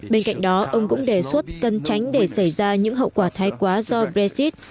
bên cạnh đó ông cũng đề xuất cần tránh để xảy ra những hậu quả thái quá do brexit